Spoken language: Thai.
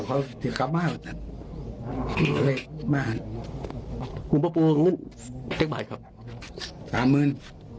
เขาจะกลับมาเอาจัดมาคุณพ่อพ่อเอาเงินแค่บ่ายครับสามหมื่น